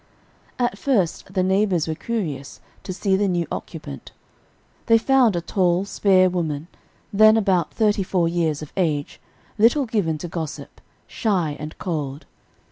At first the neighbors were curious to see the new occupant; they found a tall, spare woman, then about thirty four years of age, little given to gossip, shy, and cold.